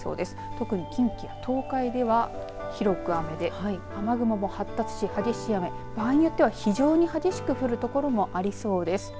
特に近畿や東海では広く雨で雨雲も発達し激しい雨場合によっては非常に激しく降るところもありそうです。